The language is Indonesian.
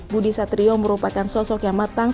budi satrio merupakan sosok yang matang